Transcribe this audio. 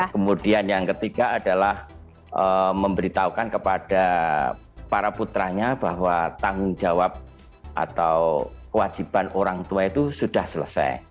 kemudian yang ketiga adalah memberitahukan kepada para putranya bahwa tanggung jawab atau kewajiban orang tua itu sudah selesai